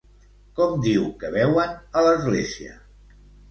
Com diu que veuen a l'església?